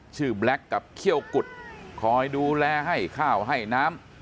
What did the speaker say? แบล็คกับเขี้ยวกุดคอยดูแลให้ข้าวให้น้ำ